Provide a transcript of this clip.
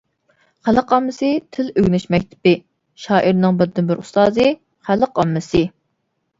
خەلق ئاممىسى — تىل ئۆگىنىش مەكتىپى، شائىرنىڭ بىردىنبىر ئۇستازى — خەلق ئاممىسى.